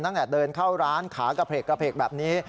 ตั้งแต่เดินเข้าร้านขากระเพกแบบนี้